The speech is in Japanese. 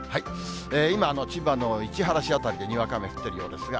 今、千葉の市原市辺りでにわか雨降っているようですが。